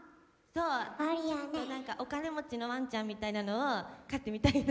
そうちょっとなんかお金持ちのワンちゃんみたいなのを飼ってみたいな。